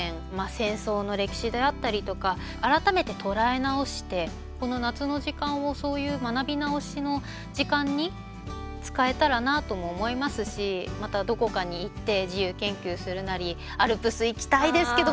戦争の歴史であったりとか改めて捉え直してこの夏の時間をそういう学び直しの時間に使えたらなとも思いますしまた、どこかに行って自由研究するなりアルプス行きたいですけど